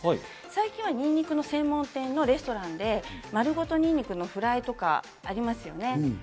最近はにんにくの専門店のレストランで、丸ごとにんにくのフライとかありますよね。